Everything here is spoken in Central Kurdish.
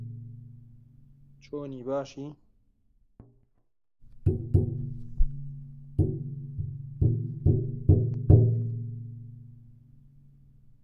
دەرکەداخستن لە تۆ دەرکی هومێد داخستنە